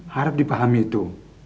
harap dipahami itu